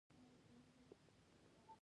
بادام د افغانستان د کلتوري میراث یوه برخه ده.